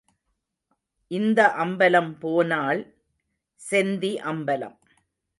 இந்த அம்பலம் போனால் செந்தி அம்பலம்.